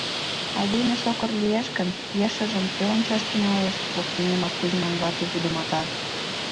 Айдеме сокыр лиеш гын, ешыжым кӧ ончаш тӱҥалеш? — воктенемак Кузьман вате вудымата.